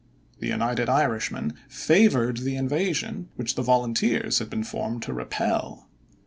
The United Irishmen favored the invasion, which the Volunteers had been formed to repel.